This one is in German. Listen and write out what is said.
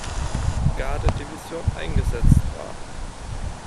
Garde-Division eingesetzt war.